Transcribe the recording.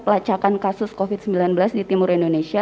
pelacakan kasus covid sembilan belas di timur indonesia